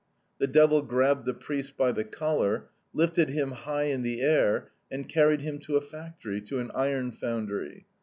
"The devil grabbed the priest by the collar, lifted him high in the air, and carried him to a factory, to an iron foundry.